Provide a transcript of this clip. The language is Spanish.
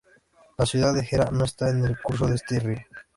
La ciudad de Gera no está en el curso de este río.